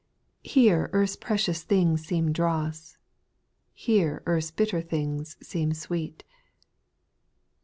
Here earth's precious things seem dross ; Here earth's bitter things seem sweet.